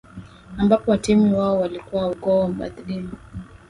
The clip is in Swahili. ambapo watemi wao walikuwa wa ukoo wa Bhatimba